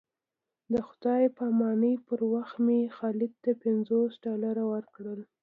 د خدای په امانۍ پر وخت مې خالد ته پنځوس ډالره ورکړل.